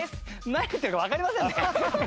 何言ってるかわかりませんね。